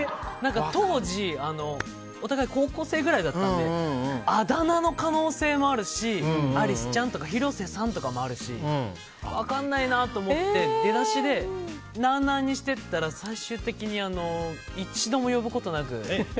当時、お互い高校生くらいだったのであだ名の可能性もあるしアリスちゃんとか広瀬さんとかもあるし分かんないなと思って出だしで、なあなあにしてたら最終的に一度も呼ぶことなく。